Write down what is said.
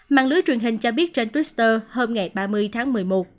mạng lưới truyền hình cho biết trên twitter hôm ngày ba mươi tháng một mươi một